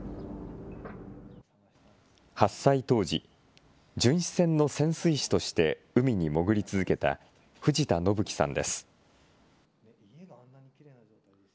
発災当時、巡視船の潜水士として海に潜り続けた藤田伸樹さんです。